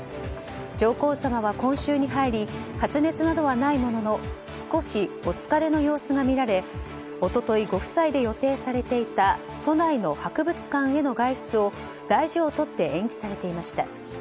上皇さまは今週に入り発熱などはないものの少しお疲れの様子が見られ一昨日、ご夫妻で予定されていた都内の博物館への外出を大事を取って延期されていました。